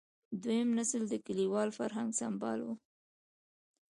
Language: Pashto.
دویم نسل د کلیوال فرهنګ سمبال و.